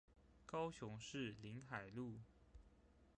高雄市臨海路